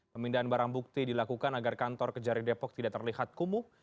pemindahan barang bukti dilakukan agar kantor kejari depok tidak terlihat kumuh